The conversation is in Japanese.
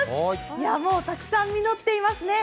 もうたくさん実っていますね。